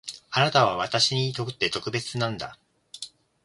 あなたは私にとって特別なんだ